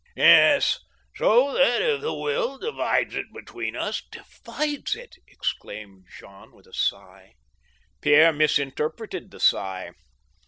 " Yes J so that, if the will divides it between us—" " Divides it !" exclaimed Jean, with a sigh. Pierre misinterpreted the sigh.